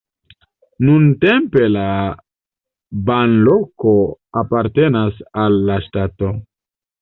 Nuntempe la banloko apartenas al la ŝtato.